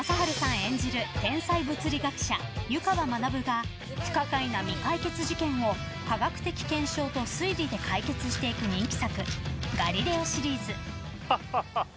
演じる天才物理学者・湯川学が不可解な未解決事件を科学的検証と推理で解決していく人気作「ガリレオ」シリーズ。